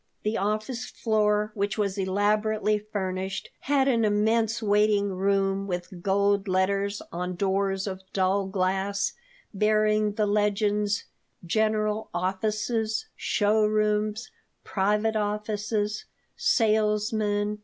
The office floor, which was elaborately furnished, had an immense waiting room with gold letters on doors of dull glass bearing the legends: "General Offices," "Show rooms," "Private Offices," "Salesmen.